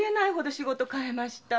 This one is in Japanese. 仕事変えました。